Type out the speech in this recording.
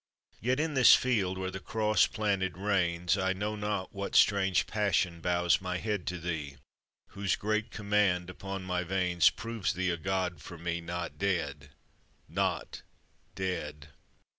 Yet, in this field where the Cross planted reigns, I know not what strange passion bows my head To thee, whose great command upon my veins Proves thee a god for me not dead, not dead!